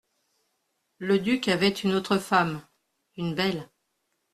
Le duc avait une autre femme, une belle.